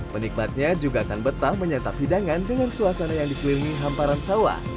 menikmatnya juga akan betah menyatap hidangan dengan suasana yang dikelilingi hamparan sawah